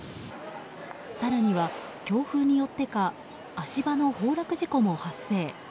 更には、強風によってか足場の崩落事故も発生。